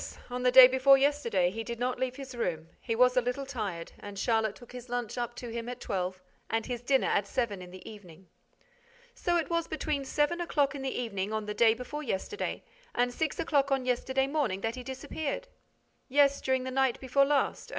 On the day before yesterday, he did not leave his room. He was a little tired; and Charlotte took his lunch up to him at twelve and his dinner at seven in the evening." "So it was between seven o'clock in the evening, on the day before yesterday, and six o'clock on yesterday morning that he disappeared?" "Yes, during the night before last.